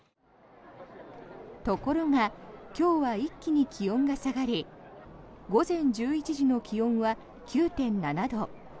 ところが今日は一気に気温が下がり午前１１時の気温は９．７度。